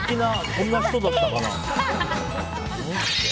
そんな人だったかな？